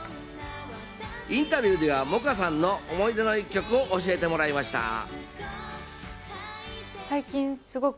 インタビューでは萌歌さんの思い出の一曲を教えてもらいました。